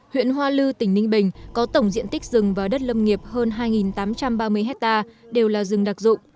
huyện hoa lư tỉnh ninh bình có tổng diện tích rừng và đất lâm nghiệp hơn hai tám trăm ba mươi hectare đều là rừng đặc dụng